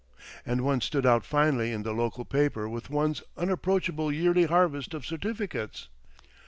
And one stood out finely in the local paper with one's unapproachable yearly harvest of certificates.